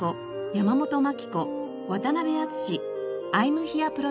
山本麻紀子渡辺篤アイムヒアプロジェクト